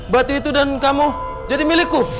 bati itu dan kamu jadi milikku